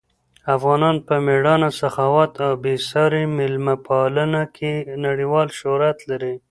افغانان په مېړانه، سخاوت او بې ساري مېلمه پالنه کې نړیوال شهرت لري.